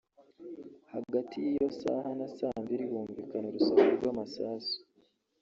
Hagati y’iyo saha na saa mbiri humvikana urusaku rw’amasasu